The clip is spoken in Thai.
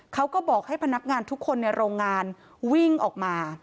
เขาก็บอกให้พนักงานทุกคนในโรงงานวิ่งออกมา